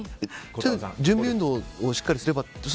準備運動をしっかりすれば。